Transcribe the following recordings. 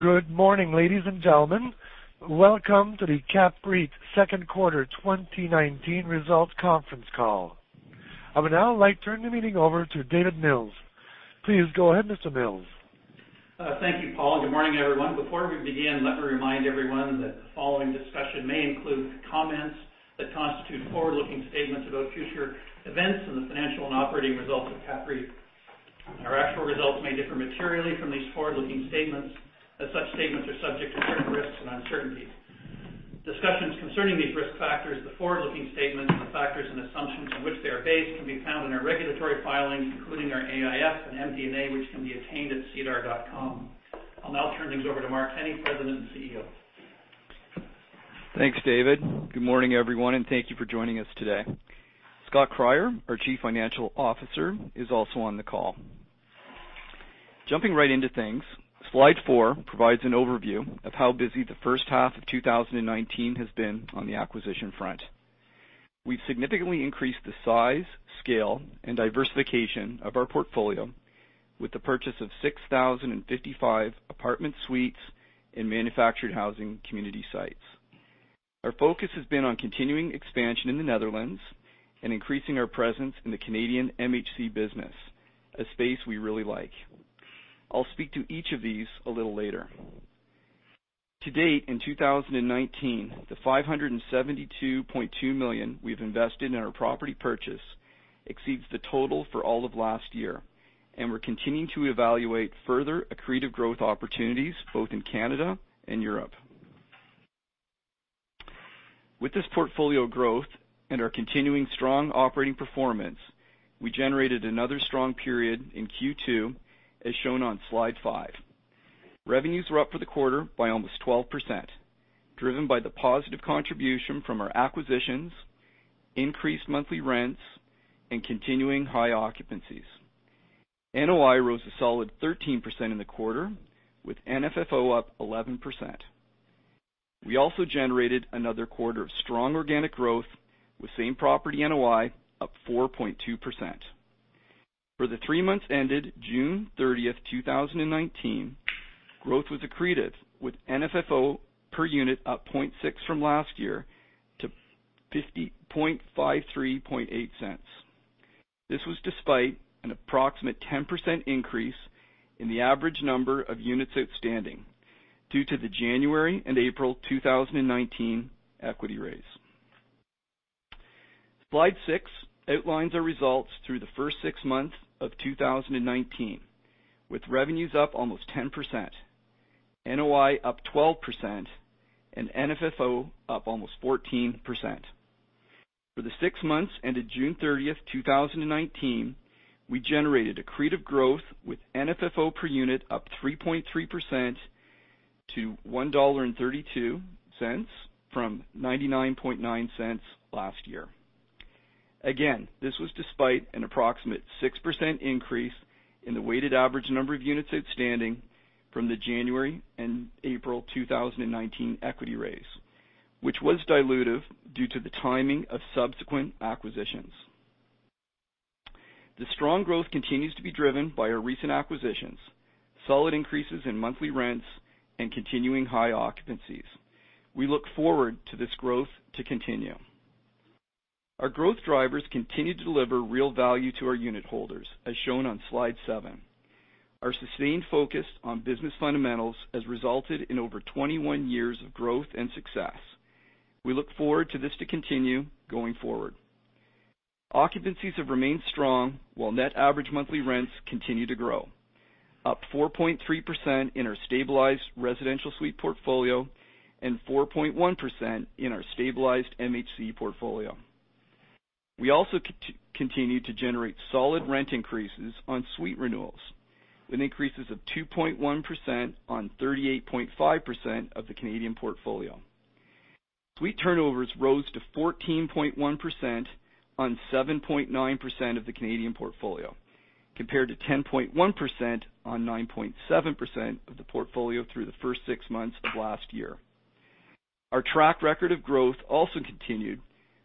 Good morning, ladies and gentlemen. Welcome to the CAPREIT Second Quarter 2019 Results Conference Call. I would now like to turn the meeting over to David Mills. Please go ahead, Mr. Mills. Thank you, Paul. Good morning, everyone. Before we begin, let me remind everyone that the following discussion may include comments that constitute forward-looking statements about future events and the financial and operating results of CAPREIT. Our actual results may differ materially from these forward-looking statements, as such statements are subject to certain risks and uncertainties. Discussions concerning these risk factors, the forward-looking statements, and the factors and assumptions on which they are based can be found in our regulatory filings, including our AIF and MD&A, which can be obtained at SEDAR+. I'll now turn things over to Mark Kenney, President and CEO. Thanks, David. Good morning, everyone, and thank you for joining us today. Scott Cryer, our Chief Financial Officer, is also on the call. Jumping right into things, slide four provides an overview of how busy the first half of 2019 has been on the acquisition front. We've significantly increased the size, scale, and diversification of our portfolio with the purchase of 6,055 apartment suites in manufactured housing community sites. Our focus has been on continuing expansion in the Netherlands and increasing our presence in the Canadian MHC business, a space we really like. I'll speak to each of these a little later. To date, in 2019, the 572.2 million we've invested in our property purchase exceeds the total for all of last year, and we're continuing to evaluate further accretive growth opportunities both in Canada and Europe. With this portfolio growth and our continuing strong operating performance, we generated another strong period in Q2, as shown on slide five. Revenues were up for the quarter by almost 12%, driven by the positive contribution from our acquisitions, increased monthly rents, and continuing high occupancies. NOI rose a solid 13% in the quarter, with NFFO up 11%. We also generated another quarter of strong organic growth, with same property NOI up 4.2%. For the three months ended June 30th, 2019, growth was accretive, with NFFO per unit up 0.6 from last year to 0.538. This was despite an approximate 10% increase in the average number of units outstanding due to the January and April 2019 equity raise. Slide six outlines our results through the first six months of 2019, with revenues up almost 10%, NOI up 12%, and NFFO up almost 14%. For the six months ended June 30th, 2019, we generated accretive growth with NFFO per unit up 3.3% to 1.32 dollar from 0.999 last year. Again, this was despite an approximate 6% increase in the weighted average number of units outstanding from the January and April 2019 equity raise, which was dilutive due to the timing of subsequent acquisitions. The strong growth continues to be driven by our recent acquisitions, solid increases in monthly rents, and continuing high occupancies. We look forward to this growth to continue. Our growth drivers continue to deliver real value to our unit holders, as shown on slide seven. Our sustained focus on business fundamentals has resulted in over 21 years of growth and success. We look forward to this to continue going forward. Occupancies have remained strong, while net average monthly rents continue to grow, up 4.3% in our stabilized residential suite portfolio and 4.1% in our stabilized MHC portfolio. We also continue to generate solid rent increases on suite renewals, with increases of 2.1% on 38.5% of the Canadian portfolio. Suite turnovers rose to 14.1% on 7.9% of the Canadian portfolio, compared to 10.1% on 9.7% of the portfolio through the first six months of last year. Our track record of growth also continued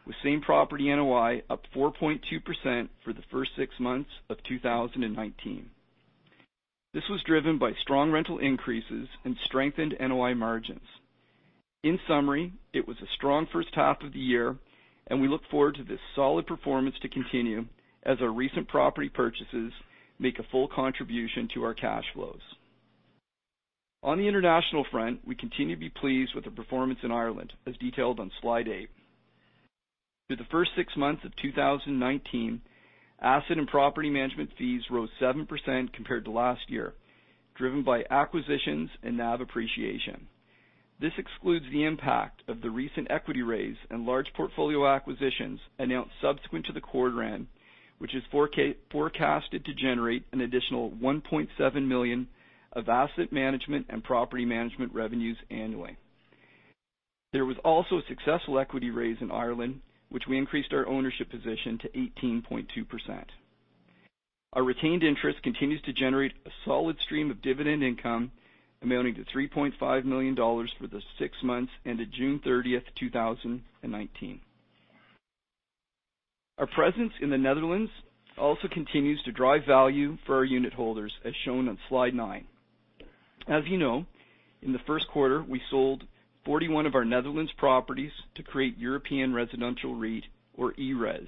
with same property NOI up 4.2% for the first six months of 2019. This was driven by strong rental increases and strengthened NOI margins. In summary, it was a strong first half of the year, and we look forward to this solid performance to continue as our recent property purchases make a full contribution to our cash flows. On the international front, we continue to be pleased with the performance in Ireland, as detailed on slide eight. Through the first six months of 2019, asset and property management fees rose 7% compared to last year, driven by acquisitions and NAV appreciation. This excludes the impact of the recent equity raise and large portfolio acquisitions announced subsequent to the quarter end, which is forecasted to generate an additional 1.7 million of asset management and property management revenues annually. There was also a successful equity raise in Ireland, which we increased our ownership position to 18.2%. Our retained interest continues to generate a solid stream of dividend income amounting to 3.5 million dollars for the six months ended June 30th, 2019. Our presence in the Netherlands also continues to drive value for our unit holders, as shown on slide nine. As you know, in the first quarter, we sold 41 of our Netherlands properties to create European Residential REIT, or ERES.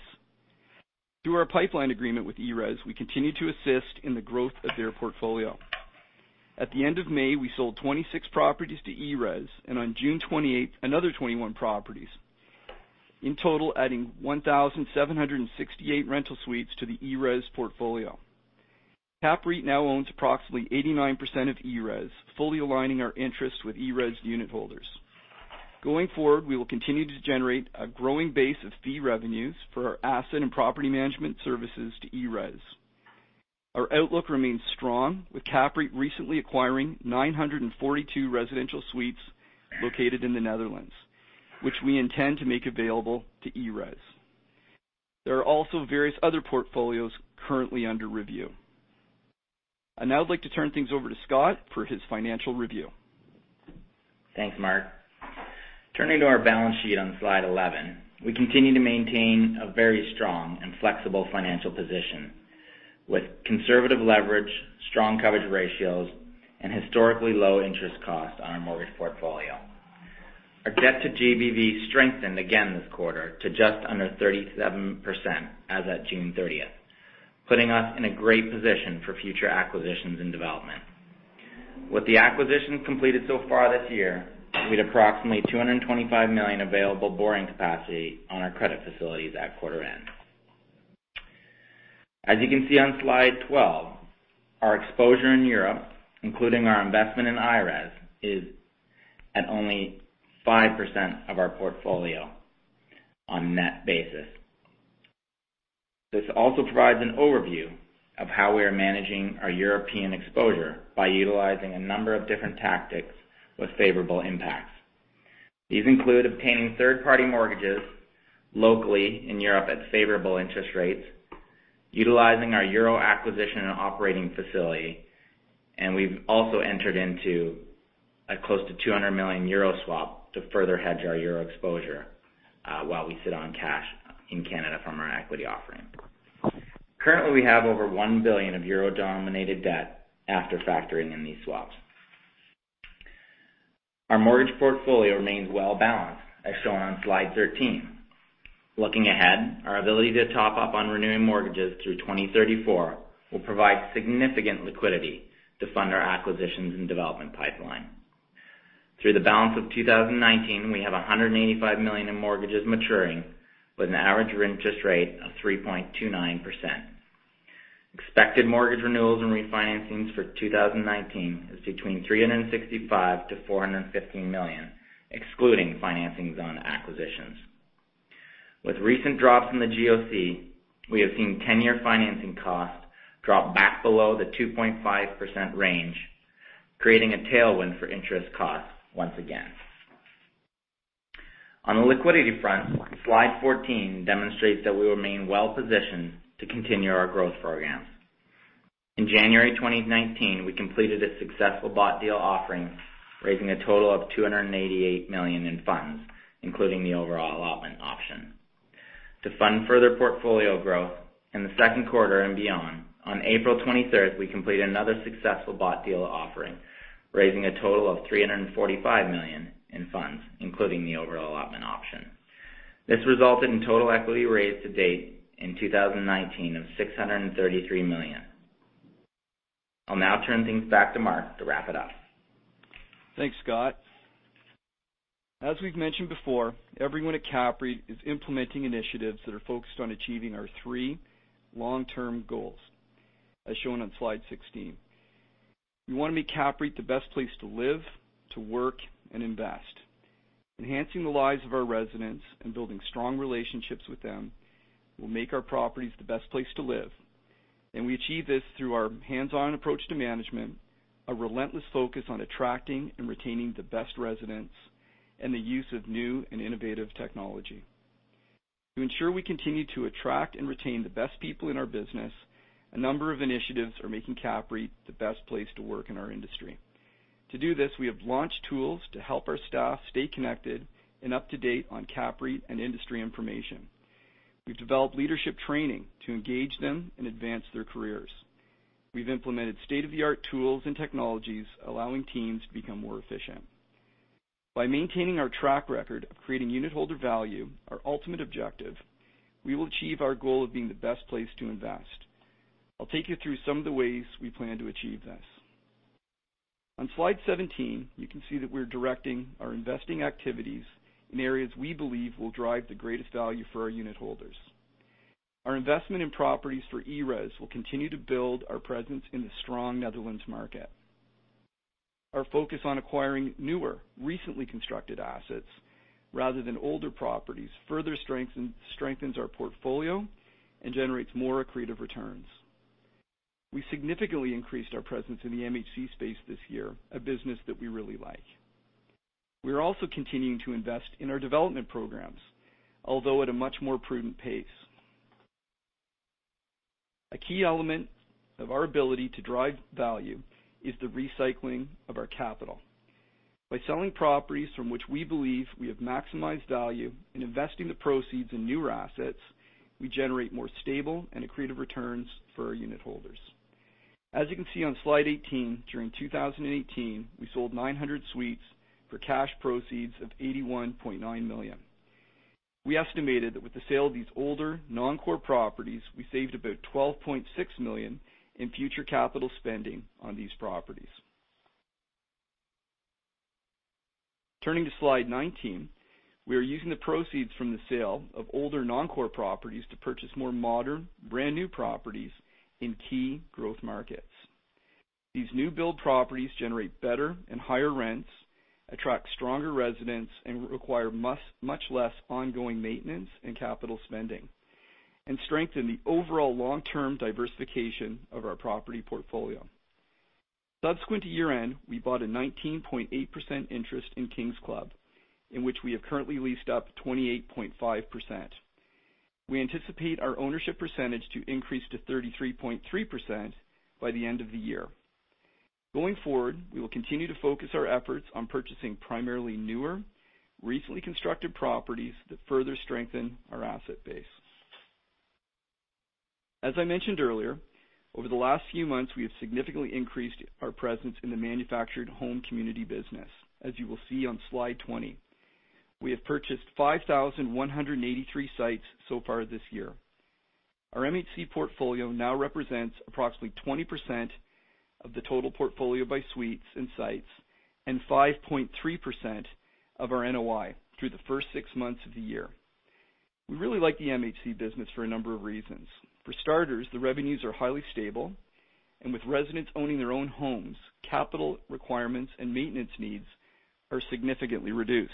Through our pipeline agreement with ERES, we continue to assist in the growth of their portfolio. At the end of May, we sold 26 properties to ERES, and on June 28th, another 21 properties, in total, adding 1,768 rental suites to the ERES portfolio. CAPREIT now owns approximately 89% of ERES, fully aligning our interests with ERES unit holders. Going forward, we will continue to generate a growing base of fee revenues for our asset and property management services to ERES. Our outlook remains strong, with CAPREIT recently acquiring 942 residential suites located in the Netherlands, which we intend to make available to ERES. There are also various other portfolios currently under review. I'd now like to turn things over to Scott for his financial review. Thanks, Mark. Turning to our balance sheet on slide 11, we continue to maintain a very strong and flexible financial position with conservative leverage, strong coverage ratios, and historically low interest costs on our mortgage portfolio. Our debt-to-GBV strengthened again this quarter to just under 37% as at June 30th, putting us in a great position for future acquisitions and development. With the acquisitions completed so far this year, we had approximately 225 million available borrowing capacity on our credit facilities at quarter end. As you can see on slide 12, our exposure in Europe, including our investment in I-RES, is at only 5% of our portfolio on a net basis. This also provides an overview of how we are managing our European exposure by utilizing a number of different tactics with favorable impacts. These include obtaining third-party mortgages locally in Europe at favorable interest rates, utilizing our Euro acquisition and operating facility. We've also entered into a close to 200 million euro swap to further hedge our Euro exposure while we sit on cash in Canada from our equity offering. Currently, we have over 1 billion of Euro-denominated debt after factoring in these swaps. Our mortgage portfolio remains well-balanced, as shown on slide 13. Looking ahead, our ability to top up on renewing mortgages through 2034 will provide significant liquidity to fund our acquisitions and development pipeline. Through the balance of 2019, we have 185 million in mortgages maturing with an average interest rate of 3.29%. Expected mortgage renewals and refinancings for 2019 is between 365 million-415 million, excluding financings on acquisitions. With recent drops in the GOC, we have seen 10-year financing costs drop back below the 2.5% range, creating a tailwind for interest costs once again. On the liquidity front, slide 14 demonstrates that we remain well-positioned to continue our growth programs. In January 2019, we completed a successful bought deal offering, raising a total of 288 million in funds, including the overall allotment option. To fund further portfolio growth in the second quarter and beyond, on April 23rd, we completed another successful bought deal offering, raising a total of 345 million in funds, including the overall allotment option. This resulted in total equity raised to date in 2019 of 633 million. I'll now turn things back to Mark to wrap it up. Thanks, Scott. As we've mentioned before, everyone at CAPREIT is implementing initiatives that are focused on achieving our three long-term goals, as shown on slide 16. We want to make CAPREIT the best place to live, to work, and invest. Enhancing the lives of our residents and building strong relationships with them will make our properties the best place to live. We achieve this through our hands-on approach to management, a relentless focus on attracting and retaining the best residents, and the use of new and innovative technology. To ensure we continue to attract and retain the best people in our business, a number of initiatives are making CAPREIT the best place to work in our industry. To do this, we have launched tools to help our staff stay connected and up-to-date on CAPREIT and industry information. We've developed leadership training to engage them and advance their careers. We've implemented state-of-the-art tools and technologies, allowing teams to become more efficient. By maintaining our track record of creating unit holder value, our ultimate objective, we will achieve our goal of being the best place to invest. I'll take you through some of the ways we plan to achieve this. On slide 17, you can see that we're directing our investing activities in areas we believe will drive the greatest value for our unit holders. Our investment in properties for ERES will continue to build our presence in the strong Netherlands market. Our focus on acquiring newer, recently constructed assets rather than older properties further strengthens our portfolio and generates more accretive returns. We significantly increased our presence in the MHC space this year, a business that we really like. We are also continuing to invest in our development programs, although at a much more prudent pace. A key element of our ability to drive value is the recycling of our capital. By selling properties from which we believe we have maximized value and investing the proceeds in newer assets, we generate more stable and accretive returns for our unitholders. As you can see on slide 18, during 2018, we sold 900 suites for cash proceeds of 81.9 million. We estimated that with the sale of these older, non-core properties, we saved about 12.6 million in future capital spending on these properties. Turning to slide 19. We are using the proceeds from the sale of older non-core properties to purchase more modern, brand-new properties in key growth markets. These new build properties generate better and higher rents, attract stronger residents, and require much less ongoing maintenance and capital spending, and strengthen the overall long-term diversification of our property portfolio. Subsequent to year-end, we bought a 19.8% interest in Kings Club, in which we have currently leased up 28.5%. We anticipate our ownership percentage to increase to 33.3% by the end of the year. Going forward, we will continue to focus our efforts on purchasing primarily newer, recently constructed properties that further strengthen our asset base. As I mentioned earlier, over the last few months, we have significantly increased our presence in the manufactured home community business, as you will see on slide 20. We have purchased 5,183 sites so far this year. Our MHC portfolio now represents approximately 20% of the total portfolio by suites and sites and 5.3% of our NOI through the first six months of the year. We really like the MHC business for a number of reasons. For starters, the revenues are highly stable, and with residents owning their own homes, capital requirements and maintenance needs are significantly reduced.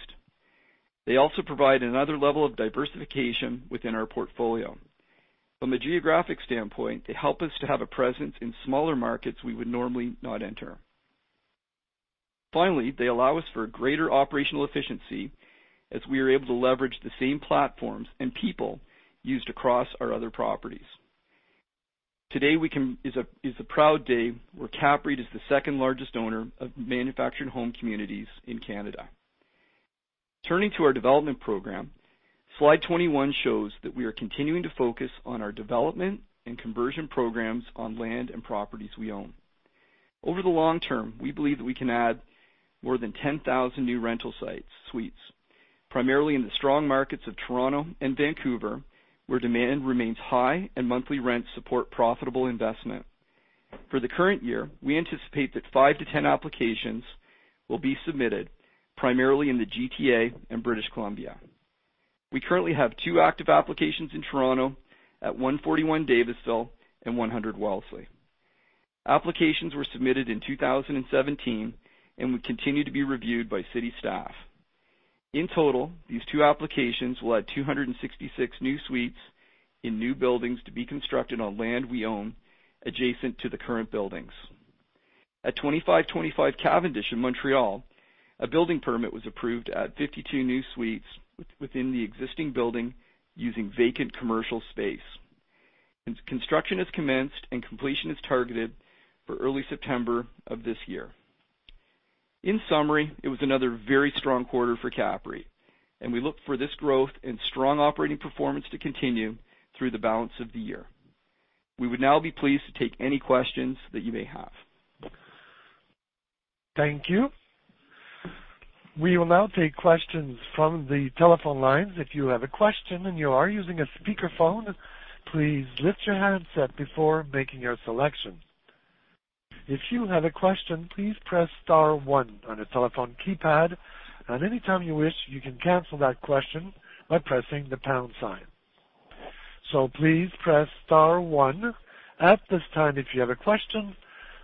They also provide another level of diversification within our portfolio. From a geographic standpoint, they help us to have a presence in smaller markets we would normally not enter. Finally, they allow us for greater operational efficiency as we are able to leverage the same platforms and people used across our other properties. Today is a proud day where CAPREIT is the second-largest owner of manufactured home communities in Canada. Turning to our development program, slide 21 shows that we are continuing to focus on our development and conversion programs on land and properties we own. Over the long term, we believe that we can add more than 10,000 new rental sites, suites, primarily in the strong markets of Toronto and Vancouver, where demand remains high and monthly rents support profitable investment. For the current year, we anticipate that 5-10 applications will be submitted, primarily in the GTA and British Columbia. We currently have two active applications in Toronto at 141 Davisville and 100 Wellesley. Applications were submitted in 2017 and will continue to be reviewed by city staff. In total, these two applications will add 266 new suites in new buildings to be constructed on land we own adjacent to the current buildings. At 2525 Cavendish in Montreal, a building permit was approved at 52 new suites within the existing building using vacant commercial space. Construction has commenced, and completion is targeted for early September of this year. In summary, it was another very strong quarter for CAPREIT, and we look for this growth and strong operating performance to continue through the balance of the year. We would now be pleased to take any questions that you may have. Thank you. We will now take questions from the telephone lines. If you have a question and you are using a speakerphone, please lift your handset before making your selection. If you have a question, please press star one on your telephone keypad, and any time you wish, you can cancel that question by pressing the pound sign. Please press star one at this time if you have a question.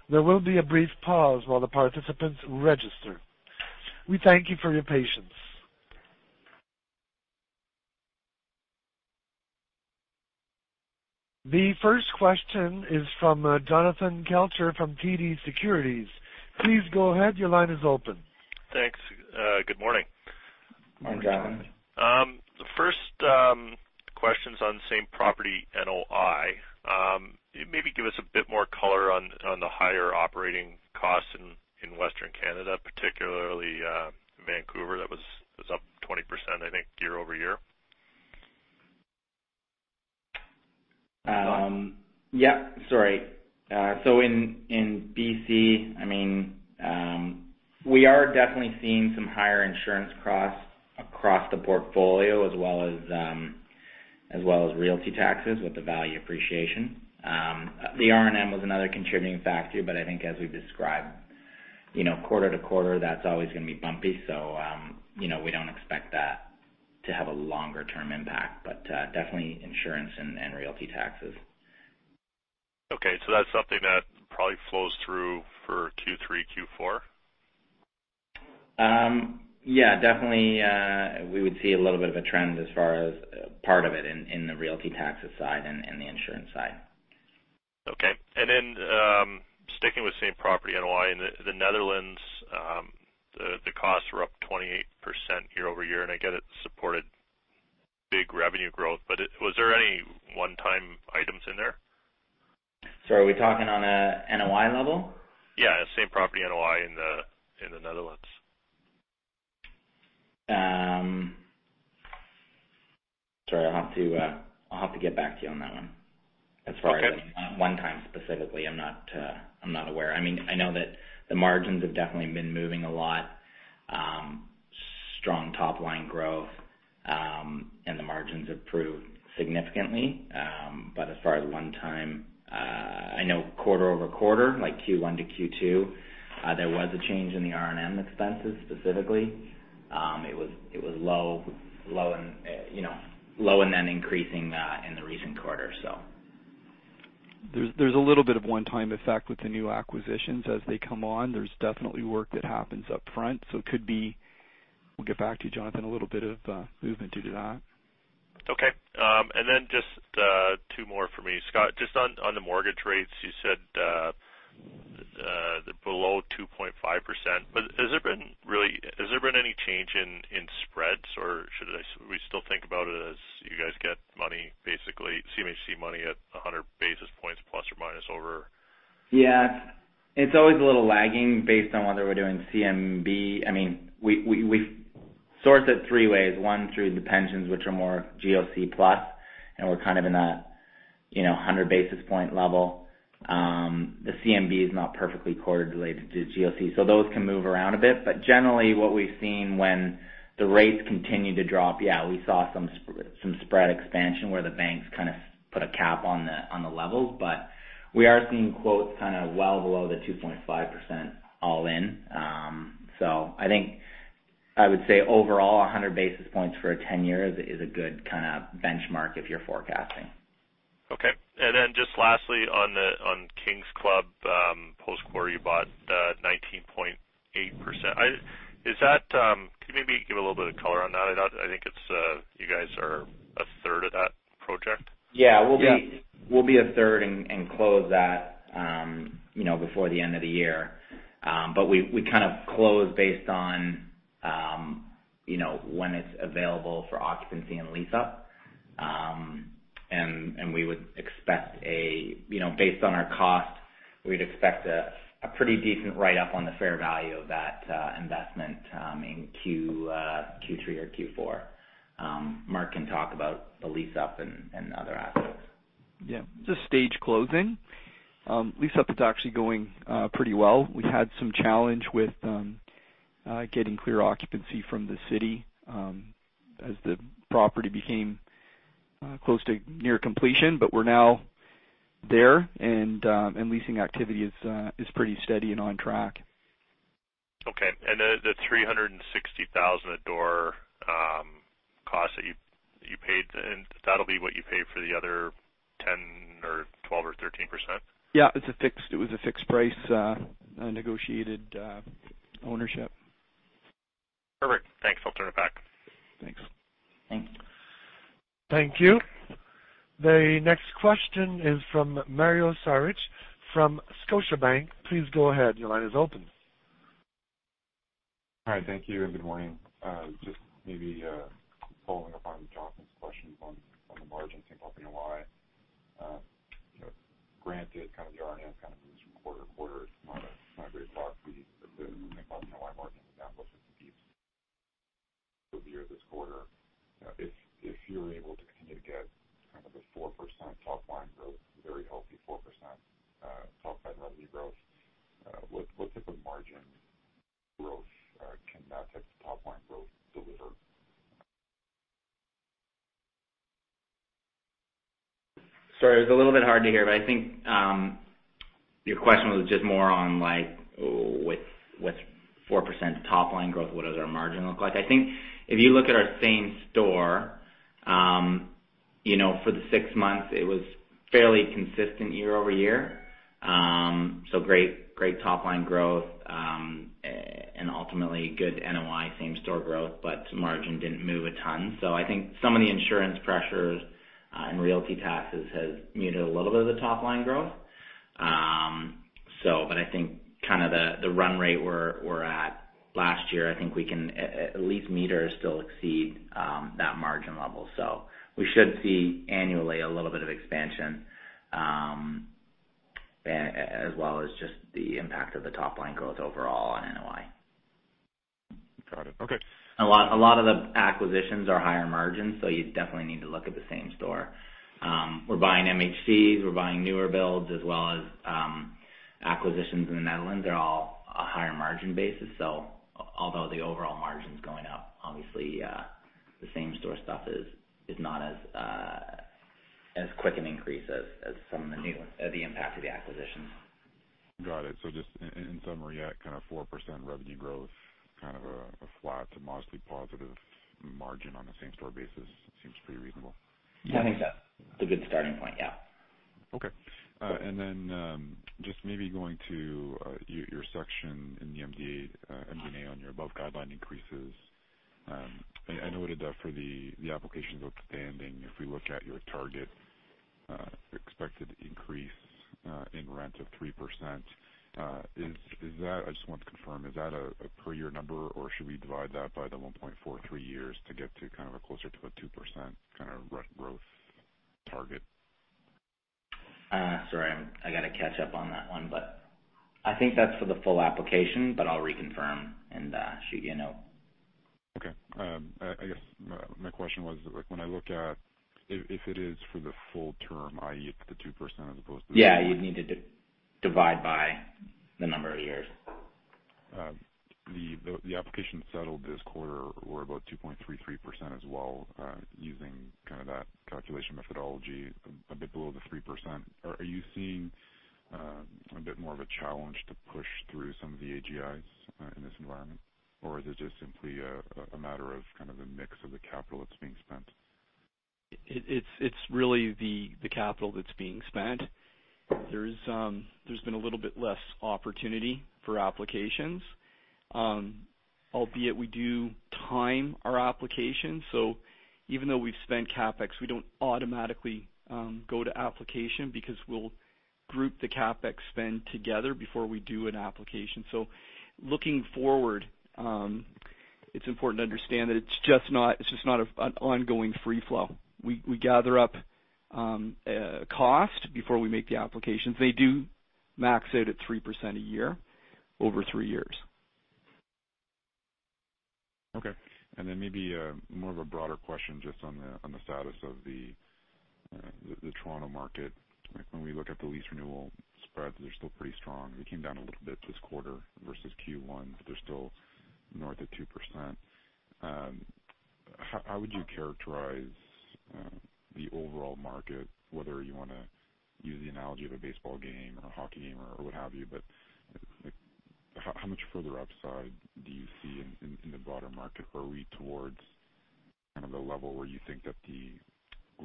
There will be a brief pause while the participants register. We thank you for your patience. The first question is from Jonathan Kelcher from TD Securities. Please go ahead. Your line is open. Thanks. Good morning. Morning, Jonathan. The first question is on same-property NOI. Maybe give us a bit more color on the higher operating costs in Western Canada, particularly Vancouver. That was up 20%, I think, year-over-year. Yeah. Sorry. In BC, we are definitely seeing some higher insurance costs across the portfolio as well as realty taxes with the value appreciation. The R&M was another contributing factor, but I think as we've described, quarter to quarter, that's always going to be bumpy. We don't expect that to have a longer-term impact, but definitely insurance and realty taxes. Okay. That's something that probably flows through for Q3, Q4? Yeah, definitely, we would see a little bit of a trend as far as part of it in the realty taxes side and the insurance side. Okay. Sticking with same-property NOI, in the Netherlands, the costs were up 28% year-over-year, and I get it supported big revenue growth. Was there any one-time items in there? Sorry, are we talking on a NOI level? Yeah. Same property NOI in the Netherlands. Sorry, I'll have to get back to you on that one. Okay. As far as one time specifically, I'm not aware. I know that the margins have definitely been moving a lot. Strong top-line growth. The margins improved significantly. As far as one time, I know quarter-over-quarter, like Q1 to Q2, there was a change in the R&M expenses, specifically. It was low and then increasing in the recent quarter. There's a little bit of one-time effect with the new acquisitions as they come on. There's definitely work that happens upfront. It could be, we'll get back to you, Jonathan, a little bit of movement due to that. Okay. Just two more for me. Scott, just on the mortgage rates, you said below 2.5%. Has there been any change in spreads, or should we still think about it as you guys get money, basically CMHC money at 100 basis points plus or minus over? Yeah. It's always a little lagging based on whether we're doing CMB. We source it three ways. One, through the pensions, which are more GOC plus, and we're kind of in that 100 basis point level. The CMB is not perfectly correlated to GOC, those can move around a bit. Generally what we've seen when the rates continue to drop, yeah, we saw some spread expansion where the banks kind of put a cap on the levels. We are seeing quotes kind of well below the 2.5% all in. I think I would say overall, 100 basis points for a 10-year is a good kind of benchmark if you're forecasting. Okay. Just lastly on Kings Club post query bought 19.8%. Can you maybe give a little bit of color on that? I think you guys are a third of that project. Yeah. Yeah. We'll be a third and close that before the end of the year. We kind of close based on when it's available for occupancy and lease-up. Based on our cost, we'd expect a pretty decent write-up on the fair value of that investment in Q3 or Q4. Mark can talk about the lease-up and other aspects. Yeah. Just stage closing. Lease-up is actually going pretty well. We had some challenge with getting clear occupancy from the city as the property became close to near completion. We're now there, and leasing activity is pretty steady and on track. Okay. The 360,000 door cost that you paid, that'll be what you pay for the other 10% or 12% or 13%? It was a fixed price, negotiated ownership. Perfect. Thanks. I'll turn it back. Thanks. Thanks. Thank you. The next question is from Mario Saric from Scotiabank. Please go ahead. Your line is open. Hi. Thank you, and good morning. Just maybe following up on Jonathan's questions on the margin, same property NOI. Granted, kind of the R&M kind of moves from quarter to quarter. It's not a great proxy. The same property NOI margin is down versus year this quarter. If you're able to continue to get kind of the 4% top-line growth, very healthy 4% top-line revenue growth, what type of margin growth can that type of top-line growth deliver? Sorry, it was a little bit hard to hear. I think your question was just more on with 4% top-line growth, what does our margin look like? I think if you look at our same store, for the 6 months, it was fairly consistent year-over-year. Great top-line growth, and ultimately good NOI same store growth, but margin didn't move a ton. I think some of the insurance pressures and realty taxes has muted a little bit of the top-line growth. I think kind of the run rate we're at last year, I think we can at least meet still exceed that margin level. We should see annually a little bit of expansion, as well as just the impact of the top-line growth overall on NOI. Got it. Okay. A lot of the acquisitions are higher margin, you definitely need to look at the same store. We're buying MHCs, we're buying newer builds as well as acquisitions in the Netherlands. They're all a higher margin basis. Although the overall margin's going up, obviously, the same store stuff is not as quick an increase as some of the impact of the acquisitions. Got it. Just in summary, that kind of 4% revenue growth, kind of a flat to mostly positive margin on a same store basis seems pretty reasonable. Yeah, I think so. It's a good starting point. Yeah. Okay. Just maybe going to your section in the MD&A on your above guideline increases. I know what it does for the applications outstanding if we look at your target expected increase in rent of 3%. I just want to confirm, is that a per year number, or should we divide that by the 1.43 years to get to closer to a 2% kind of rent growth target? Sorry, I got to catch up on that one, but I think that's for the full application, but I'll reconfirm and shoot you a note. I guess my question was when I look at if it is for the full term, i.e., it's the 2% as opposed to. Yeah, you'd need to divide by the number of years. The applications settled this quarter were about 2.33% as well, using kind of that calculation methodology a bit below the 3%. Are you seeing a bit more of a challenge to push through some of the AGIs in this environment? Is it just simply a matter of the mix of the capital that's being spent? It's really the capital that's being spent. There's been a little bit less opportunity for applications. Albeit we do time our application, so even though we've spent CapEx, we don't automatically go to application because we'll group the CapEx spend together before we do an application. Looking forward, it's important to understand that it's just not an ongoing free flow. We gather up cost before we make the applications. They do max out at 3% a year over three years. Okay. Maybe more of a broader question just on the status of the Toronto market. When we look at the lease renewal spreads, they're still pretty strong. They came down a little bit this quarter versus Q1, but they're still north of 2%. How would you characterize the overall market, whether you want to use the analogy of a baseball game or a hockey game or what have you, but how much further upside do you see in the broader market? Are we towards the level where you think that the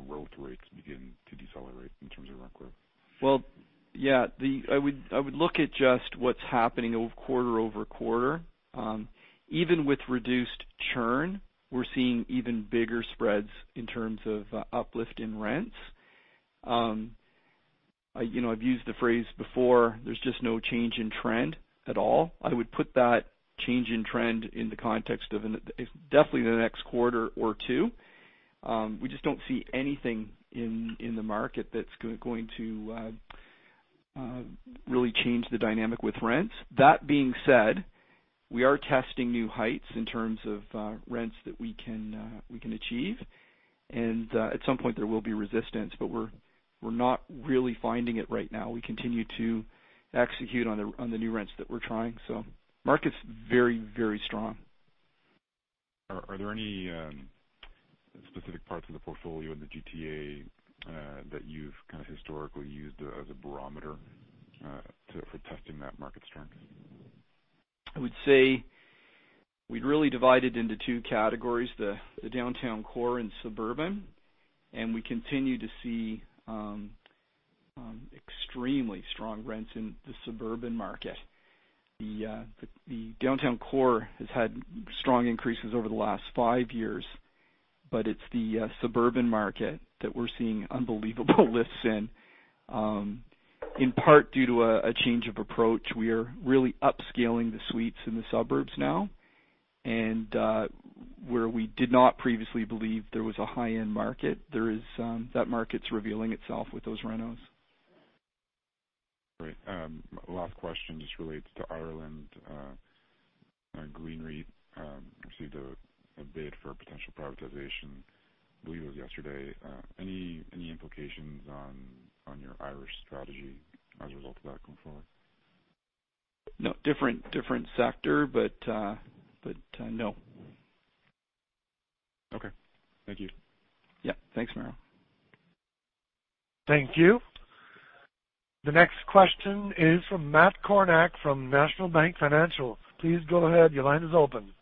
growth rates begin to decelerate in terms of rent growth? Well, yeah, I would look at just what's happening quarter-over-quarter. Even with reduced churn, we're seeing even bigger spreads in terms of uplift in rents. I've used the phrase before, there's just no change in trend at all. I would put that change in trend in the context of definitely the next quarter or two. We just don't see anything in the market that's going to really change the dynamic with rents. That being said, we are testing new heights in terms of rents that we can achieve, and at some point there will be resistance, but we're not really finding it right now. We continue to execute on the new rents that we're trying. The market's very strong. Are there any specific parts of the portfolio in the GTA that you've historically used as a barometer for testing that market strength? I would say we'd really divided into two categories, the downtown core and suburban, and we continue to see extremely strong rents in the suburban market. The downtown core has had strong increases over the last five years, but it's the suburban market that we're seeing unbelievable lifts in. In part due to a change of approach. We are really upscaling the suites in the suburbs now, and where we did not previously believe there was a high-end market, that market's revealing itself with those renos. Great. Last question just relates to Ireland. Green REIT received a bid for potential privatization, I believe it was yesterday. Any implications on your Irish strategy as a result of that going forward? No. Different sector, but no. Okay. Thank you. Yeah. Thanks, Mario. Thank you. The next question is from Matt Kornack from National Bank Financial. Please go ahead. Your line is open.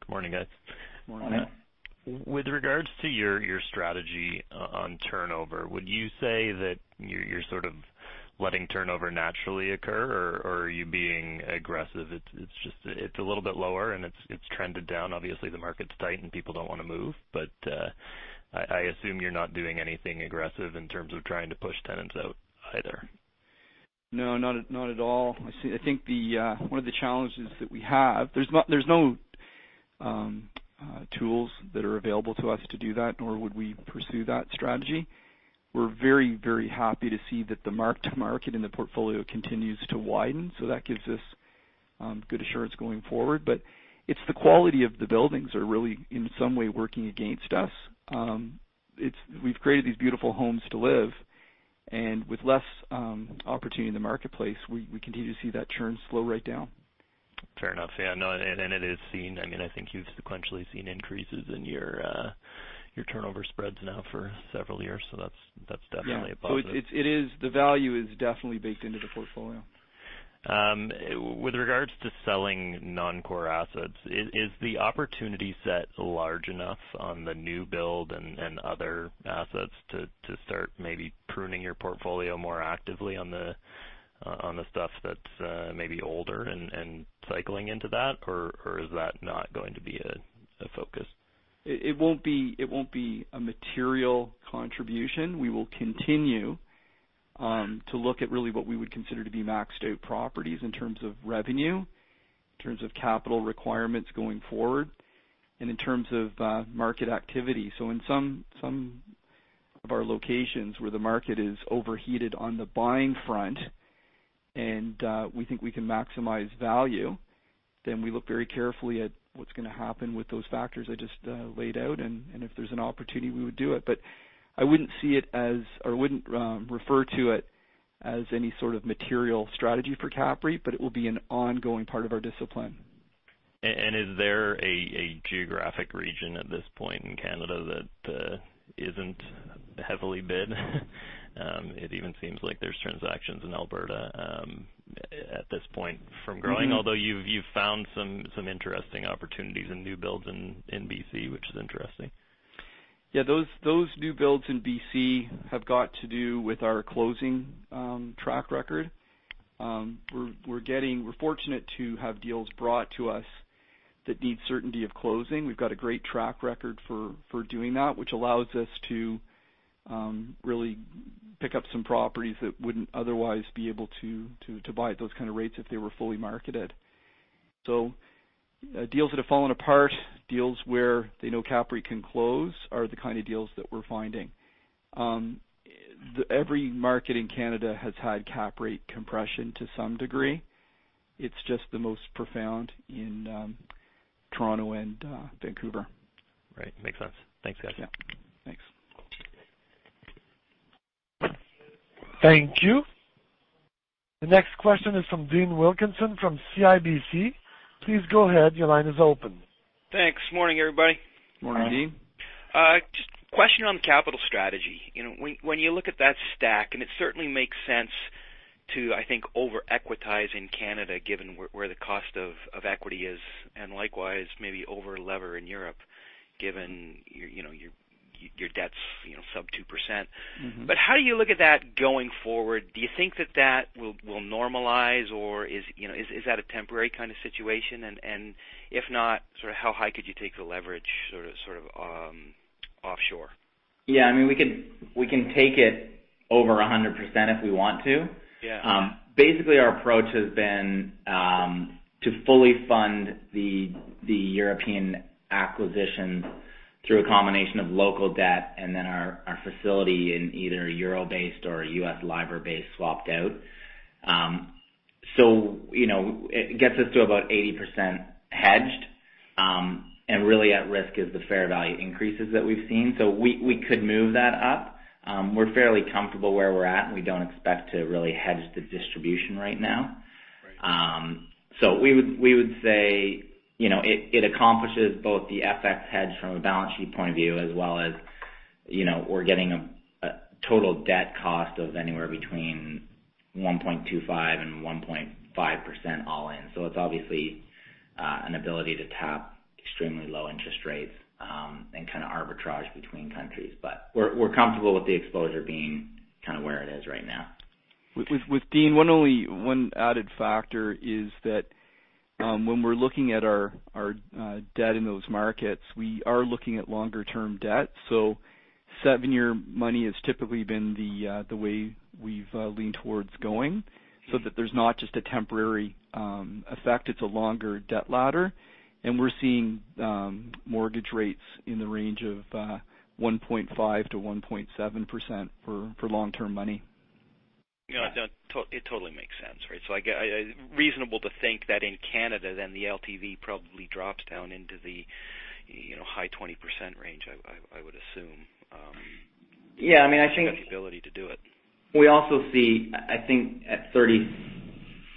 Good morning, guys. Morning. With regards to your strategy on turnover, would you say that you're sort of letting turnover naturally occur, or are you being aggressive? It's a little bit lower, and it's trended down. Obviously, the market's tight and people don't want to move. I assume you're not doing anything aggressive in terms of trying to push tenants out either. No, not at all. I think one of the challenges that we have, there's no tools that are available to us to do that, nor would we pursue that strategy. We're very happy to see that the mark-to-market in the portfolio continues to widen, so that gives us good assurance going forward. It's the quality of the buildings are really in some way working against us. We've created these beautiful homes to live, and with less opportunity in the marketplace, we continue to see that churn slow right down. Fair enough. Yeah. No, it is seen, I think you've sequentially seen increases in your turnover spreads now for several years, so that's definitely a positive. Yeah. The value is definitely baked into the portfolio. With regards to selling non-core assets, is the opportunity set large enough on the new build and other assets to start maybe pruning your portfolio more actively on the stuff that's maybe older and cycling into that, or is that not going to be a focus? It won't be a material contribution. We will continue to look at really what we would consider to be maxed-out properties in terms of revenue, in terms of capital requirements going forward, and in terms of market activity. In some of our locations where the market is overheated on the buying front and we think we can maximize value, we look very carefully at what's going to happen with those factors I just laid out, and if there's an opportunity, we would do it. I wouldn't refer to it as any sort of material strategy for CAPREIT, but it will be an ongoing part of our discipline. Is there a geographic region at this point in Canada that isn't heavily bid? It even seems like there's transactions in Alberta at this point from growing. You've found some interesting opportunities in new builds in BC, which is interesting. Yeah. Those new builds in BC have got to do with our closing track record. We're fortunate to have deals brought to us that need certainty of closing. We've got a great track record for doing that, which allows us to really pick up some properties that wouldn't otherwise be able to buy at those kind of rates if they were fully marketed. Deals that have fallen apart, deals where they know CAPREIT can close are the kind of deals that we're finding. Every market in Canada has had cap rate compression to some degree. It's just the most profound in Toronto and Vancouver. Right. Makes sense. Thanks, guys. Yeah. Thanks. Thank you. The next question is from Dean Wilkinson from CIBC. Please go ahead. Your line is open. Thanks. Morning, everybody. Morning, Dean. Hi. Just a question on the capital strategy. When you look at that stack, it certainly makes sense to, I think, over-equitize in Canada, given where the cost of equity is, and likewise, maybe over-lever in Europe, given your debt's sub 2%. How do you look at that going forward? Do you think that that will normalize, or is that a temporary kind of situation? If not, sort of how high could you take the leverage sort of offshore? Yeah. We can take it over 100% if we want to. Yeah. Basically, our approach has been to fully fund the European acquisitions through a combination of local debt and then our facility in either EUR-based or US LIBOR-based swapped out. It gets us to about 80% hedged, and really at risk is the fair value increases that we've seen. We could move that up. We're fairly comfortable where we're at, and we don't expect to really hedge the distribution right now. Right. We would say it accomplishes both the FX hedge from a balance sheet point of view as well as we're getting a total debt cost of anywhere between 1.25% and 1.5% all in. It's obviously an ability to tap extremely low interest rates and kind of arbitrage between countries. We're comfortable with the exposure being kind of where it is right now. With Dean, one added factor is that when we're looking at our debt in those markets, we are looking at longer-term debt. Seven-year money has typically been the way we've leaned towards going so that there's not just a temporary effect, it's a longer debt ladder. We're seeing mortgage rates in the range of 1.5%-1.7% for long-term money. Yeah. It totally makes sense, right? Reasonable to think that in Canada, then the LTV probably drops down into the high 20% range, I would assume. Yeah. You have the ability to do it. We also see, I think at 36%,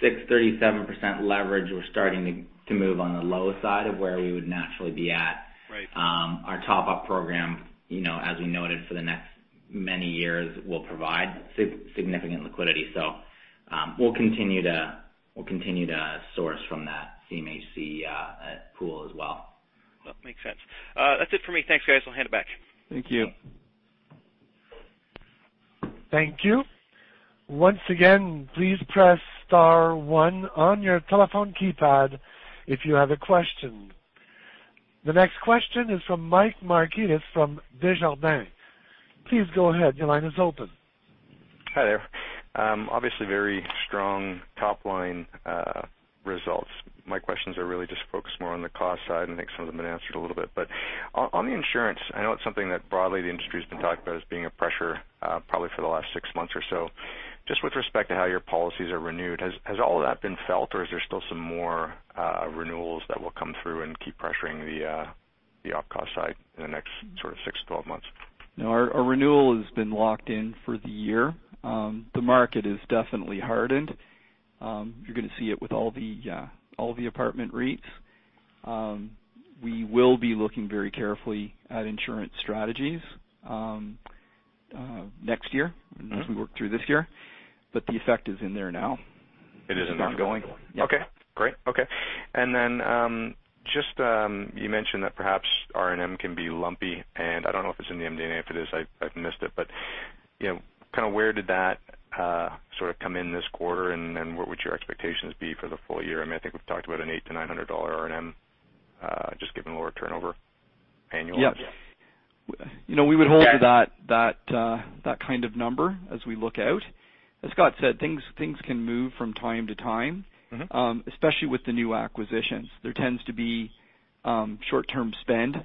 37% leverage, we're starting to move on the lower side of where we would naturally be at. Right. Our top-up program as we noted for the next many years, will provide significant liquidity. We'll continue to source from that CMHC pool as well. Well, makes sense. That's it for me. Thanks, guys. I'll hand it back. Thank you. Thank you. Once again, please press *1 on your telephone keypad if you have a question. The next question is from Michael Markidis from Desjardins. Please go ahead. Your line is open. Hi there. Obviously very strong top-line results. My questions are really just focused more on the cost side, and I think some of them have been answered a little bit. On the insurance, I know it's something that broadly the industry's been talking about as being a pressure probably for the last six months or so. Just with respect to how your policies are renewed, has all of that been felt, or is there still some more renewals that will come through and keep pressuring the op cost side in the next sort of 6-12 months? No, our renewal has been locked in for the year. The market has definitely hardened. You're going to see it with all the apartment REITs. We will be looking very carefully at insurance strategies next year as we work through this year. The effect is in there now. It is in there now. It's ongoing. Yeah. Okay, great. Okay. You mentioned that perhaps R&M can be lumpy, and I don't know if it's in the MD&A. If it is, I've missed it. Where did that come in this quarter, and then what would your expectations be for the full year? I think we've talked about an 800-900 dollar R&M, just given lower turnover annually. Yes. We would hold to that kind of number as we look out. As Scott said, things can move from time to time. especially with the new acquisitions. There tends to be short-term spend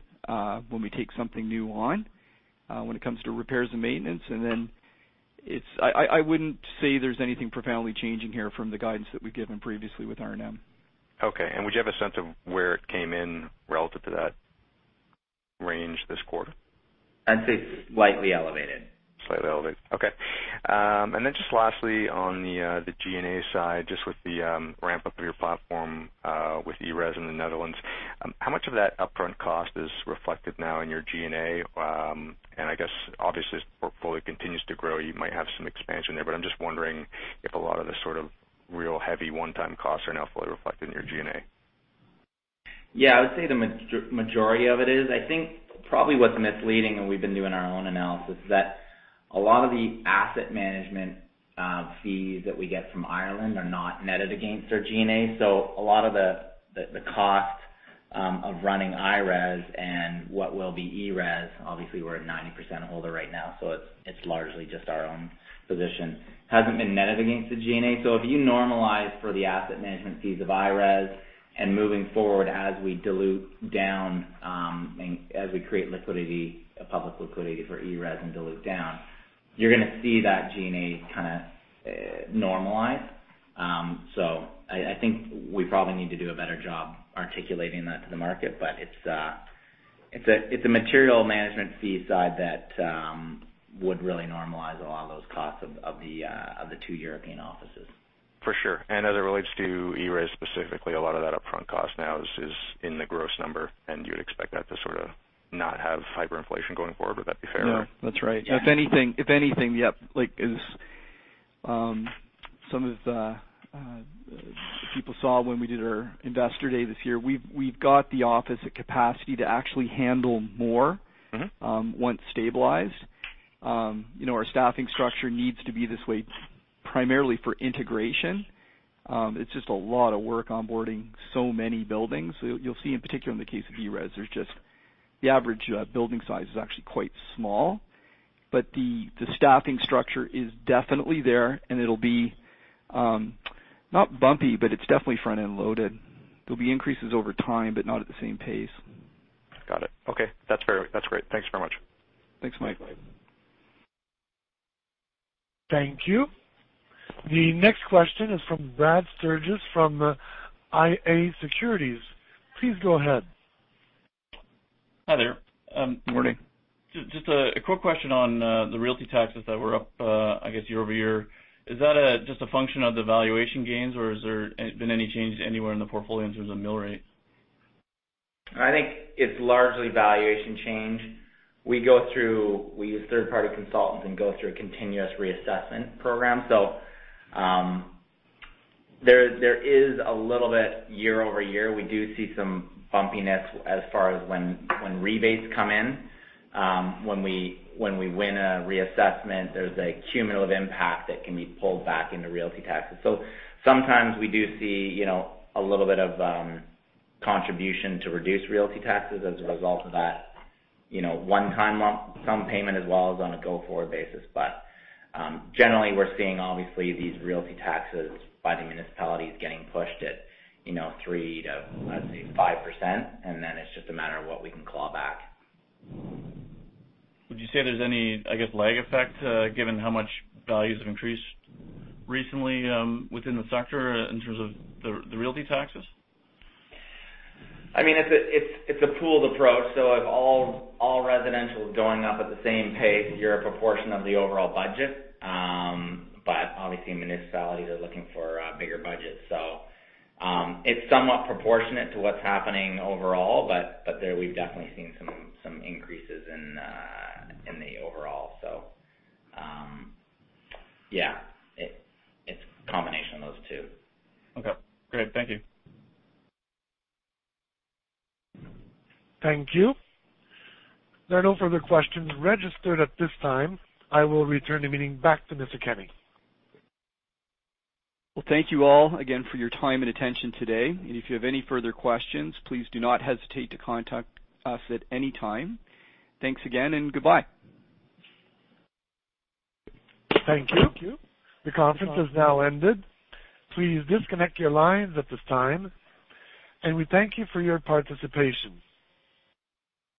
when we take something new on when it comes to repairs and maintenance, and then I wouldn't say there's anything profoundly changing here from the guidance that we've given previously with R&M. Okay. Would you have a sense of where it came in relative to that range this quarter? I'd say slightly elevated. Slightly elevated. Okay. Just lastly, on the G&A side, just with the ramp-up of your platform with ERES in the Netherlands, how much of that upfront cost is reflected now in your G&A? I guess obviously, as the portfolio continues to grow, you might have some expansion there. I'm just wondering if a lot of the real heavy one-time costs are now fully reflected in your G&A. I would say the majority of it is. I think probably what's misleading, and we've been doing our own analysis, is that a lot of the asset management fees that we get from Ireland are not netted against our G&A. A lot of the cost of running I-RES and what will be ERES, obviously, we're a 90% holder right now, so it's largely just our own position, hasn't been netted against the G&A. If you normalize for the asset management fees of I-RES and moving forward as we dilute down, as we create public liquidity for ERES and dilute down, you're going to see that G&A normalize. I think we probably need to do a better job articulating that to the market. It's a material management fee side that would really normalize a lot of those costs of the two European offices. For sure. As it relates to ERES specifically, a lot of that upfront cost now is in the gross number, and you would expect that to not have hyperinflation going forward. Would that be fair? No, that's right. If anything, yep. Some of the people saw when we did our investor day this year, we've got the office at capacity to actually handle more- once stabilized. Our staffing structure needs to be this way primarily for integration. It's just a lot of work onboarding so many buildings. You'll see, in particular in the case of ERES, the average building size is actually quite small. The staffing structure is definitely there, and it'll be not bumpy, but it's definitely front-end loaded. There'll be increases over time, but not at the same pace. Got it. Okay. That's great. Thanks very much. Thanks, Mike. Thank you. The next question is from Brad Sturges from iA Securities. Please go ahead. Hi there. Good morning. Just a quick question on the realty taxes that were up, I guess, year-over-year. Is that just a function of the valuation gains, or has there been any changes anywhere in the portfolio in terms of mill rate? I think it's largely valuation change. We use third-party consultants and go through a continuous reassessment program. There is a little bit year-over-year. We do see some bumpiness as far as when rebates come in. When we win a reassessment, there's a cumulative impact that can be pulled back into realty taxes. Sometimes we do see a little bit of contribution to reduce realty taxes as a result of that one-time lump sum payment, as well as on a go-forward basis. Generally, we're seeing, obviously, these realty taxes by the municipalities getting pushed at 3% to, let's say, 5%, and then it's just a matter of what we can claw back. Would you say there's any, I guess, lag effect, given how much values have increased recently within the sector in terms of the realty taxes? It's a pool approach. If all residential is going up at the same pace, you're a proportion of the overall budget. Obviously, municipalities are looking for a bigger budget, it's somewhat proportionate to what's happening overall. There, we've definitely seen some increases in the overall. Yeah, it's a combination of those two. Okay, great. Thank you. Thank you. There are no further questions registered at this time. I will return the meeting back to Mr. Kenney. Well, thank you all again for your time and attention today. If you have any further questions, please do not hesitate to contact us at any time. Thanks again and goodbye. Thank you. The conference has now ended. Please disconnect your lines at this time, and we thank you for your participation.